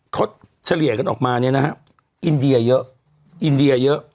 เขาเฉลี่ยกันออกมาเนี่ยนะฮะอินเดียเยอะอินเดียเยอะ